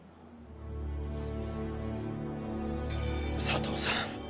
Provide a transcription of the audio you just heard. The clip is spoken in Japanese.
佐藤さん